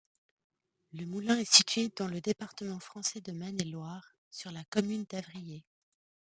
Le moulin est situé dans le département français de Maine-et-Loire, sur la commune d'Avrillé.